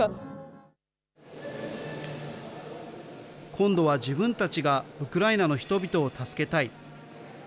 今度は自分たちがウクライナの人々を助けたい。